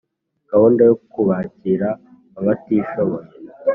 Gahunda yo kubakira abatishoboye.